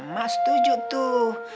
mak setuju tuh